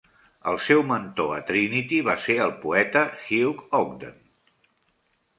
El seu mentor a Trinity va ser el poeta Hugh Ogden.